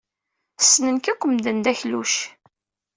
Ssnen-k akk medden d akluc.